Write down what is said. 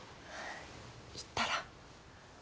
言ったら？